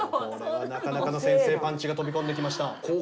これはなかなかの先制パンチが飛び込んできました。